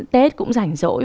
tết cũng rảnh rỗi